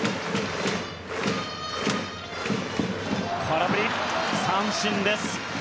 空振り三振です。